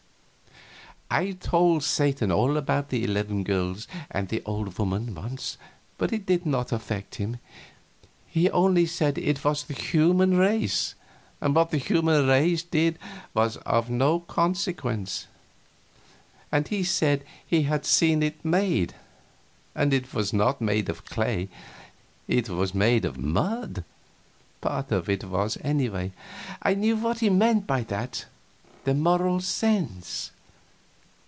I told Satan all about the eleven girls and the old woman, once, but it did not affect him. He only said it was the human race, and what the human race did was of no consequence. And he said he had seen it made; and it was not made of clay; it was made of mud part of it was, anyway. I knew what he meant by that the Moral Sense.